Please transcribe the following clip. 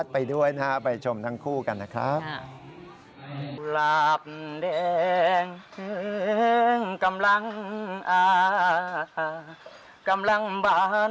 ไปด้วยนะฮะไปชมทั้งคู่กันนะครับ